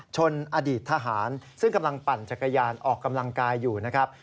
อดีตทหารซึ่งกำลังปั่นจักรยานออกกำลังกายอยู่นะครับ